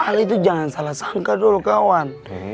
ali itu jangan salah sangka kawan